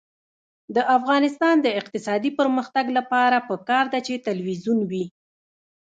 د افغانستان د اقتصادي پرمختګ لپاره پکار ده چې تلویزیون وي.